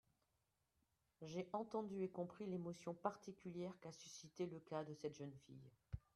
J’ai entendu et compris l’émotion particulière qu’a suscitée le cas de cette jeune fille.